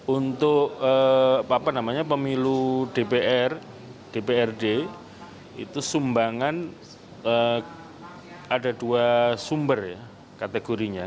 untuk pemilu dpr dprd itu sumbangan ada dua sumber ya kategorinya